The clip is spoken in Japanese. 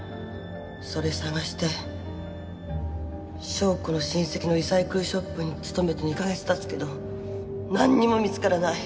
それ探して祥子の親戚のリサイクルショップに勤めて２カ月経つけどなんにも見つからない！